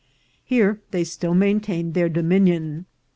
Here they still maintained their dominion.